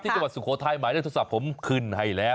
ที่จังหวัดสุโครไทยหมายได้โทรศัพท์ผมขึ้นให้แล้ว